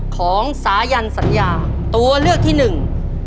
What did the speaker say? ของสายันสัญญาตัวเลือกที่หนึ่ง